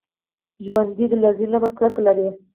ژوندي له ظلمه کرکه لري